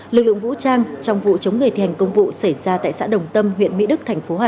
lực lượng vũ trang trong vụ chống người thể hành công vụ xảy ra tại xã đồng tâm huyện mỹ đức